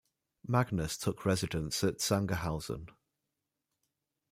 Magnus took residence at Sangerhausen.